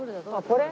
これ。